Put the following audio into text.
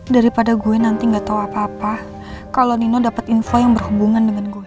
daripada gue nanti gak tau apa apa kalau nino dapat info yang berhubungan dengan gue